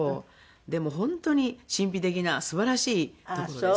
でも本当に神秘的な素晴らしい所です。